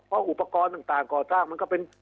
เพราะอุปกรณ์ต่างก่อสร้างมันก็เป็น